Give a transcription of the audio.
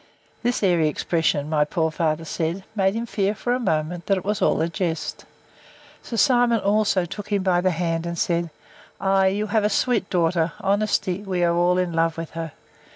This airy expression, my poor father said, made him fear, for a moment, that all was a jest.—Sir Simon also took him by the hand, and said, Ay, you have a sweet daughter, Honesty; we are all in love with her.